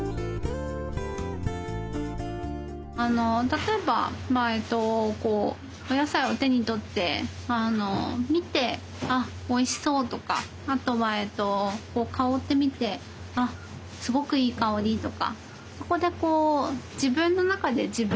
例えばお野菜を手に取って見てあおいしそうとかあとは香ってみてあすごくいい香りとかそこでこう自分の中で自分で食べたいもの